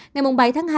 ngày mùng bảy tháng hai